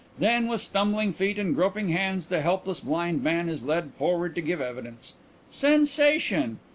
Then with stumbling feet and groping hands the helpless blind man is led forward to give evidence. Sensation!